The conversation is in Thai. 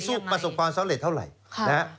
ก็ไม่ได้สู้ประสบความสำเร็จเท่าไหร่นะฮะ